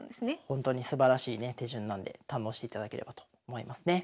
ほんとにすばらしいね手順なんで堪能していただければと思いますね。